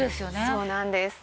そうなんです。